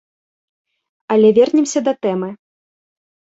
Але вернемся да тэмы.